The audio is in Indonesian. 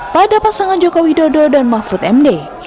pada pasangan jokowi dodo dan makfud md